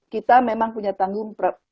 kita memang punya tanggung